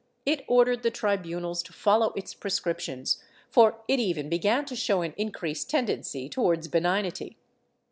128 SOLICITATION [Book VIII it ordered the tribunals to follow its prescriptions, for it even began to show an increased tendency towards benignity.